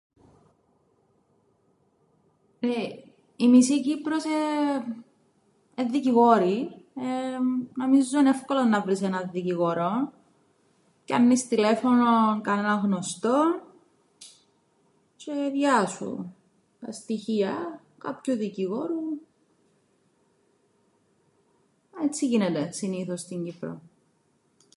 Εεε η μισή Κύπρος εεε εν' δικηγόροι, εμ νομίζω εν' εύκολο να έβρεις δικηγόρον. Πιάννεις τηλέφωνον κανέναν γνωστόν τζ̆αι διά σου τα στοιχεία κάποιου δικηγόρου. Έτσι γίνεται συνήθως στην Κύπρον.